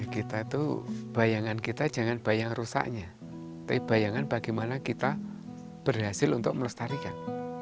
kita itu bayangan kita jangan bayang rusaknya tapi bayangan bagaimana kita berhasil untuk melestarikan